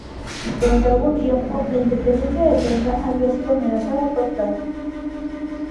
Durante algún tiempo, la independencia de Tonga había sido amenazada por Francia.